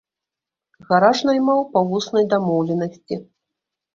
Гараж наймаў па вуснай дамоўленасці.